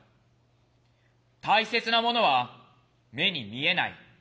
大切なものは目に見えない。